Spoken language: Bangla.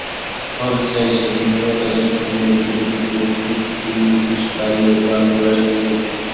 কংগ্রেস চাইছে, বিহারেও তাদের সঙ্গে বিজেপিবিরোধী তিন শক্তি, নিতীশ-লালু-রামবিলাস একজোট হোন।